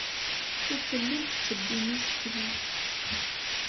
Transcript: Ur tellim tettebbim isekla.